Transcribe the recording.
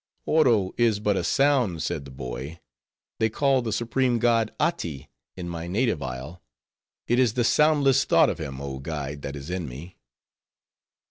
"Oro is but a sound," said the boy. "They call the supreme god, Ati, in my native isle; it is the soundless thought of him, oh guide, that is in me."